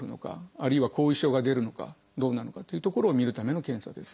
あるいは後遺症が出るのかどうなのかというところを診るための検査です。